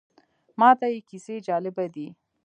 ماته یې کیسې جالبه دي.